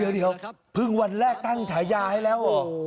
เดี๋ยวเพิ่งวันแรกตั้งฉายาให้แล้วเหรอ